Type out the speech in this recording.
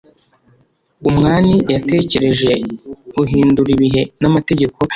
umwani yatekereje uhindura ibihe namategeko